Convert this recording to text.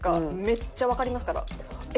めっちゃわかりますから。